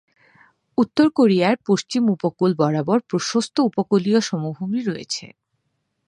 উত্তর কোরিয়ার পশ্চিম উপকূল বরাবর প্রশস্ত উপকূলীয় সমভূমি রয়েছে।